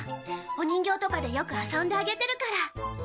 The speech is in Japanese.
お人形とかでよく遊んであげてるから。